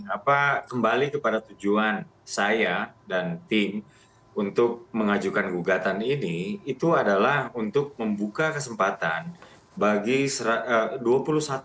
apa kembali kepada tujuan saya dan tim untuk mengajukan gugatan ini itu adalah untuk membuka kesempatan bagi dua puluh satu orang